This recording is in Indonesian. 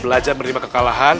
belajar menerima kekalahan